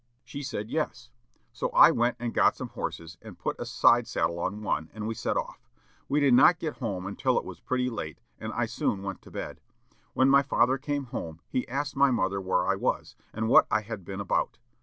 She said, yes. So I went and got some horses, and put a side saddle on one, and we set off. We did not get home until it was pretty late, and I soon went to bed. When my father came home he asked my mother where I was, and what I had been about.